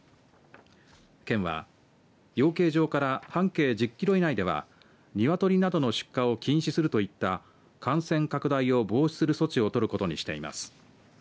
県は養鶏場から半径１０キロ以内では鶏などの出荷を禁止するといった感染拡大を防止する措置を取ることにしています。